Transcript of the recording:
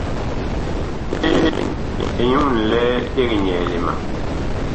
Peen ɛ nyu ŋlɛɛ eg nyɛɛle ma.